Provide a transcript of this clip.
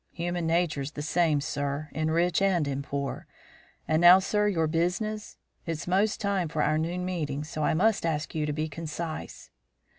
Human nature's the same, sir, in rich and in poor. And now, sir, your business? It's most time for our noon meeting, so I must ask you to be concise."